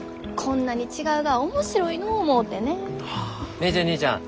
姉ちゃん姉ちゃん。